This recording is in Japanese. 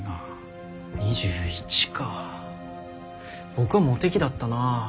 僕はモテ期だったなあ。